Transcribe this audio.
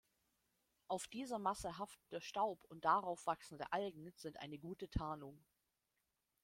Auf dieser Masse haftender Staub und darauf wachsende Algen sind eine gute Tarnung.